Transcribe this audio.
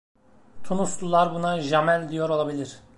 Tunuslular buna "Jamel" diyor olabilir.